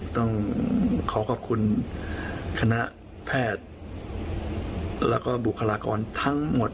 ต้องขอขอบคุณคณะแพทย์แล้วก็บุคลากรทั้งหมด